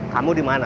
kamu di mana